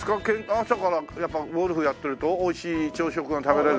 朝からやっぱゴルフやってるとおいしい朝食が食べられる？